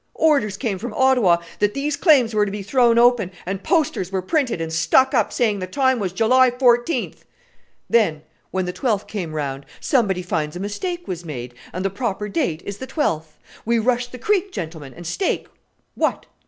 Orders came from Ottawa that these claims were to be thrown open, and posters were printed and stuck up saying the time was July 14th. Then, when the twelfth came round, somebody finds a mistake was made, and the proper date is the twelfth. We rush the creek, gentlemen, and stake what?